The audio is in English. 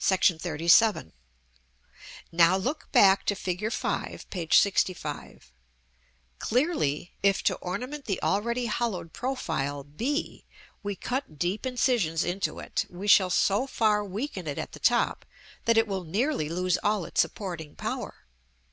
§ XXXVII. Now, look back to Fig. V., p. 65. Clearly, if to ornament the already hollowed profile, b, we cut deep incisions into it, we shall so far weaken it at the top, that it will nearly lose all its supporting power.